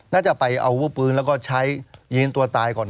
น่าจะไปอาวุธปืนแล้วก็ใช้ยิงตัวตายก่อน